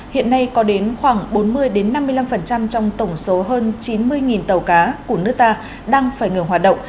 hiện nay có đến khoảng bốn mươi năm mươi năm trong tổng số hơn chín mươi tàu cá của nước ta đang phải ngừng hoạt động